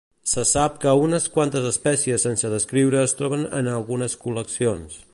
Se sap que unes quantes espècies sense descriure es troben en algunes col·leccions.